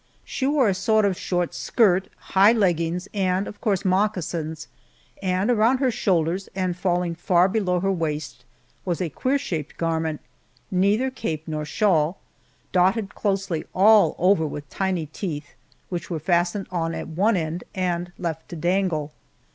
She wore a sort of short skirt, high leggings, and of course moccasins, and around her shoulders and falling far below her waist was a queer shaped garment neither cape nor shawl dotted closely all over with tiny teeth, which were fastened on at one end and left to dangle.